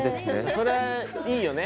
それはいいよね